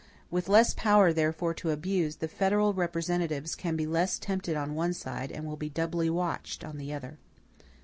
With less power, therefore, to abuse, the federal representatives can be less tempted on one side, and will be doubly watched on the other.